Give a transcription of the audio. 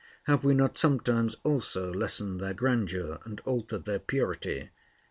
Have we not sometimes also lessened their grandeur and altered their purity?